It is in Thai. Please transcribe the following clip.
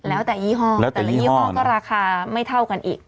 แล้วแต่ยี่ห้อแล้วแต่ละยี่ห้อก็ราคาไม่เท่ากันอีก